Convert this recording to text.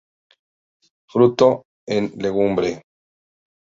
Fruto en legumbre.